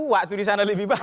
waktu disana lebih banyak